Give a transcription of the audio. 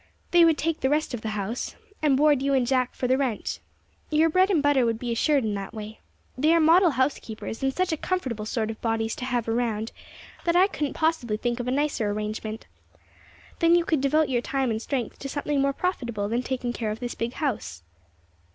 They would take the rest of the house, and board you and Jack for the rent. Your bread and butter would be assured in that way. They are model housekeepers, and such a comfortable sort of bodies to have around, that I couldn't possibly think of a nicer arrangement. Then you could devote your time and strength to something more profitable than taking care of this big house."